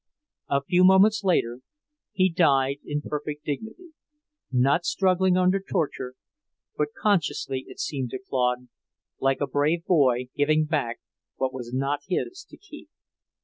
A few moments later he died in perfect dignity, not struggling under torture, but consciously, it seemed to Claude, like a brave boy giving back what was not his to keep.